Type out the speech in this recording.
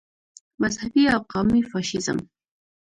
مذهبي او قومي فاشیزم.